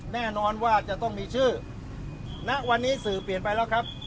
แน่นอนว่าจะต้องมีชื่อณวันนี้สื่อเปลี่ยนไปแล้วครับ